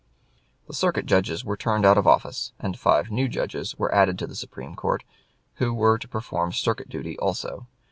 The circuit judges were turned out of office, and five new judges were added to the Supreme Court, who were to perform circuit duty also.